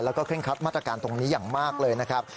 แล้วก็เคร่งคัดมาตรการตรงนี้อย่างมากเลยนะครับ